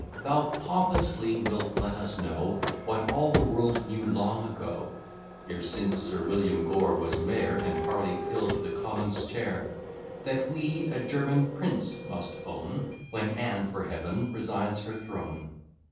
Thou pompously wilt let us know What all the world knew long ago, (E'er since Sir William Gore was mayor, And Harley fill'd the commons' chair,) That we a German prince must own, When Anne for Heaven resigns her throne.